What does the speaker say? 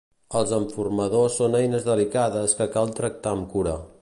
Els enformadors són eines delicades que cal tractar amb cura.